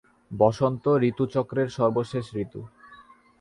বসন্ত ঋতুচক্রের সর্বশেষ ঋতু।